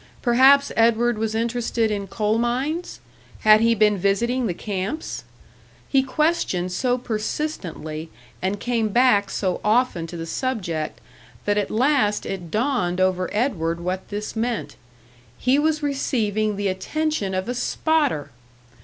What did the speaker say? Perhaps Edward was interested in coal mines? Had he been visiting the camps? He questioned so persistently, and came back so often to the subject, that at last it dawned over Edward what this meant he was receiving the attention of a "spotter!"